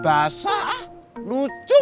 bahasa ah lucu